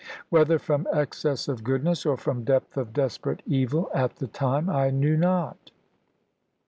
Whether from excess of goodness, or from depth of desperate evil, at the time I knew not.